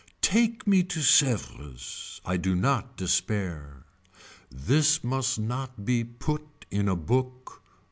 Take me to Sevres I do not despair. This must not be put in a book.